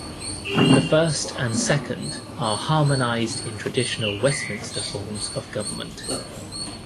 The first and the second are harmonised in traditional Westminster forms of government.